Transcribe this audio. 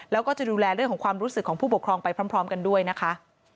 แล้วก็จะดูแลเรื่องของความรู้สึกของผู้ปกครองไปพร้อมกันด้วยนะคะ